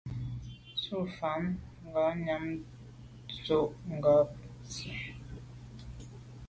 Ntshùa mfà ngabnyàm ndù a kag nsi,